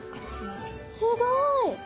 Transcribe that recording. すごい！